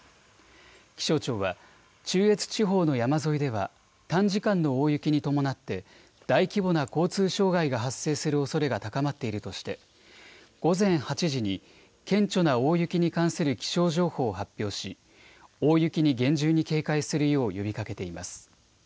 気象庁は中越地方の山沿いでは短時間の大雪に伴って大規模な交通障害が発生するおそれが高まっているとして午前８時に顕著な大雪に関する気象情報を発表し大雪に厳重に警戒するよう呼びかけています。